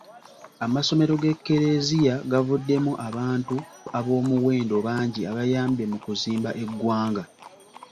Amasomero g'Eklezia gavuddemu abantu ab'omuwendo bangi abayambye mu kuzimba eggwanga.